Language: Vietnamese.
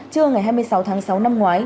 trưa ngày hai mươi sáu tháng sáu năm ngoái